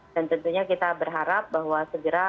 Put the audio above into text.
dan tentunya kita berharap bahwa segera